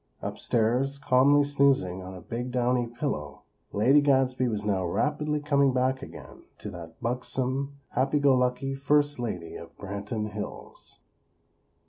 Upstairs, calmly snoozing on a big downy pillow, Lady Gadsby was now rapidly coming back again to that buxom, happy go lucky First Lady of Branton Hills.